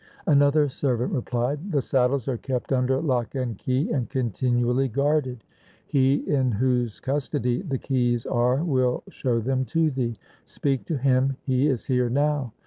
Another servant replied, ' The saddles are kept under lock and key and continually guarded. He in whose custody the keys are will show them to thee. Speak to him, he is here now.'